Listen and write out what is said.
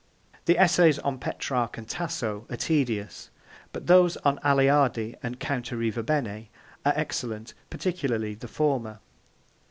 The essays on Petrarch and Tasso are tedious, but those on Aleardi and Count Arrivabene are excellent, particularly the former.